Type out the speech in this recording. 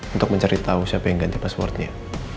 untuk mencari tahu siapa yang ganti passwordnya